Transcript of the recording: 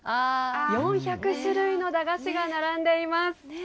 ４００種類の駄菓子が並んでいます。